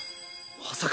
まさか。